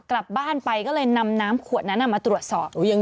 กลับบ้านไปก็เลยนำน้ำขวดนั้นมาตรวจสอบ